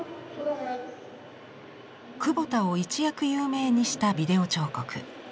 久保田を一躍有名にした「ビデオ彫刻」。